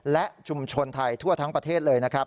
และชุมชนไทยทั่วทั้งประเทศเลยนะครับ